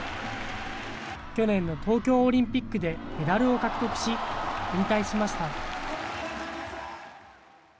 去年の東京オリンピックでメダルを獲得し、引退しました。